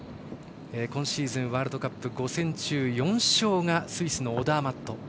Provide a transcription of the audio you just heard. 今シーズンワールドカップ５戦中４勝がスイスのオダーマット。